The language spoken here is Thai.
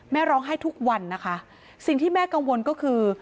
แม่ร้องไห้ทุกวันนะคะสิ่งที่แม่กังวลก็คือ